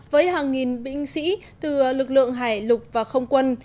với hàng nghìn binh sĩ từ lực lượng hải lục và không quân